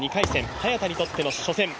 早田にとっての初戦。